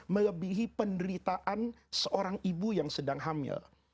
melebihi penderitaan seorang ibu yang sedang hamil